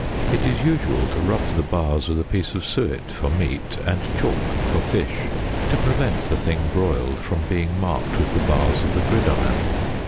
It is usual to rub the bars with a piece of suet for meat, and chalk for fish, to prevent the thing broiled from being marked with the bars of the gridiron.